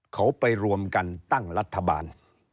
เขาไปรวมกันตั้งรัฐบาล